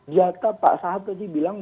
jaka pak saad tadi bilang